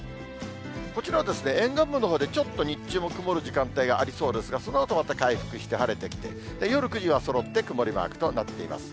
こちらは沿岸部のほうでちょっと日中も曇る時間帯がありそうですが、そのあとまた回復して、晴れてきて、夜９時は、そろって曇りマークとなっています。